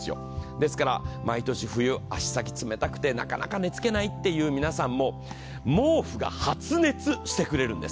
ですから、毎年冬、足先冷たくてなかなか寝つけないという皆さんも、毛布が発熱してくれるんです。